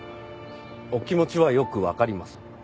お気持ちはよくわかります。